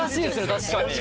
確かに。